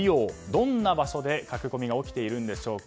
どんな場所で駆け込みが起きているんでしょうか。